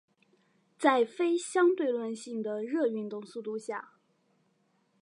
在非相对论性的热运动速度下。